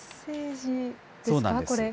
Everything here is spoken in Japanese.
そうなんです。